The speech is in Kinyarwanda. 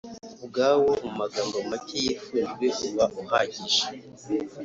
ubwawo mu magambo make yifujwe uba uhagije